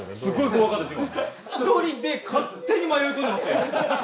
今１人で勝手に迷い込んでましたよ。